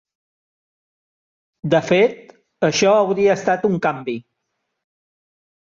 De fet, això hauria estat un canvi.